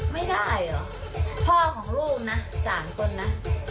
ไม่ได้เหรอพ่อของลูกนะ๓คนนะ